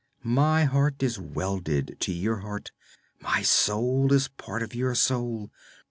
My heart is welded to your heart, my soul is part of your soul!